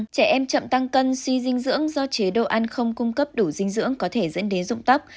trẻ em chậm tăng cân suy dinh dưỡng do chế độ ăn không cung cấp đủ dinh dưỡng có thể dẫn đến dụng tóc